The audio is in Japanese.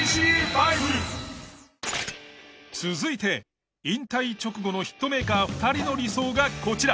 続いて引退直後のヒットメーカー２人の理想がこちら。